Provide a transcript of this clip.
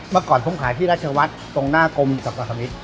มาก่อนผมขายที่รัชวัชร์ตรงหน้ากรมสัมภาษมิตร